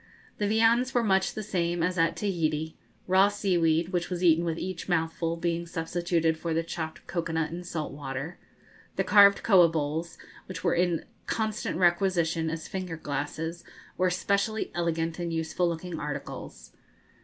The viands were much the same as at Tahiti raw seaweed, which was eaten with each mouthful, being substituted for the chopped cocoa nut and salt water. The carved koa bowls, which were in constant requisition as finger glasses, were specially elegant and useful looking articles.